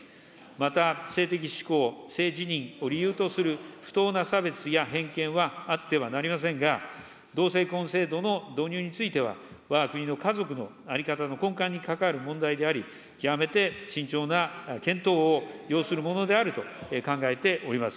また性的指向、性自認を理由とする不当な差別や偏見はあってはなりませんが、同性婚制度の導入については、わが国の家族の在り方の根幹に関わる問題であり、極めて慎重な検討を要するものであると考えております。